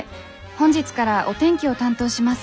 本日からお天気を担当します